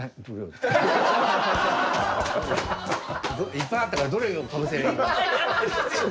いっぱいあったからどれをかぶせればいいのか。